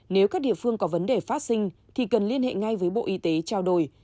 nếu các địa phương có vấn đề phát sinh thì cần liên hệ ngay với bộ y tế trao đổi